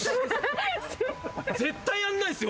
絶対やんないですよ